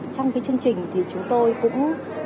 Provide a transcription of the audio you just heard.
trong cái chương trình thì chúng tôi cũng